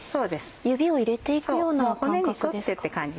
指を入れて行くような感覚？